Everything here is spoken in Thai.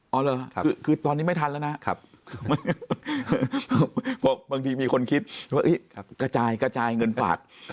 เหรอคือตอนนี้ไม่ทันแล้วนะครับบอกบางทีมีคนคิดว่ากระจายกระจายเงินฝาก